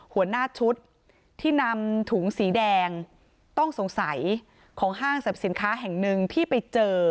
หัวหน้าชุดที่นำถุงสีแดงต้องสงสัยของห้างสรรพสินค้าแห่งหนึ่งที่ไปเจอ